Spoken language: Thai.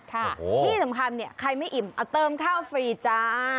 ที่สำคัญเนี่ยใครไม่อิ่มเอาเติมข้าวฟรีจ้า